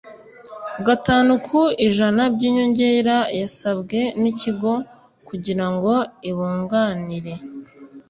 Gatanu ku ijana by’inyongera yasabwe n’Ikigo kugira ngo ibunganire